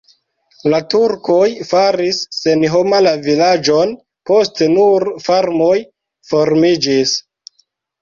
La turkoj faris senhoma la vilaĝon, poste nur farmoj formiĝis.